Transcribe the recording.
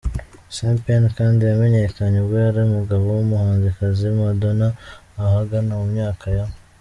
Sean Penn kandi yamenyekanye ubwo yari umugabo w’umuhanzikazi Madonna ahagana mu myaka ya .